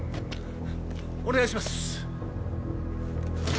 お願いします！